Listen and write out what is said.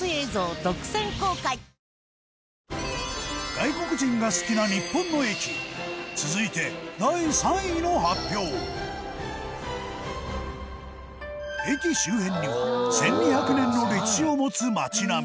外国人が好きな日本の駅続いて、第３位の発表駅周辺には１２００年の歴史を持つ街並み